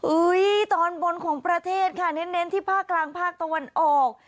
ตอนบนของประเทศค่ะเน้นที่ภาคกลางภาคตะวันออก